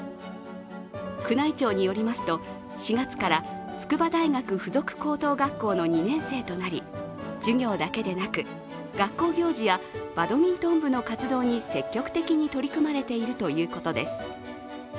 宮内庁によりますと、４月から筑波大学附属高等学校の２年生となり授業だけでなく、学校行事やバドミントン部の活動に積極的に取り組まれているということです。